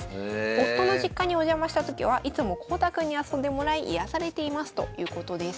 夫の実家にお邪魔した時はいつもこうたくんに遊んでもらい癒やされていますということです。